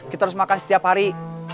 kita harus makan setiap hari